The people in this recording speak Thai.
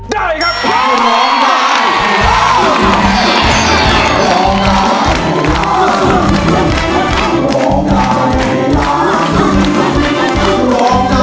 ได้ครับ